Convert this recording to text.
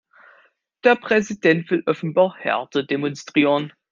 Der Präsident will offenbar Härte demonstrieren.